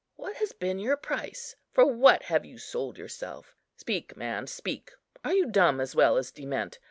What has been your price? for what have you sold yourself? Speak, man, speak. Are you dumb as well as dement?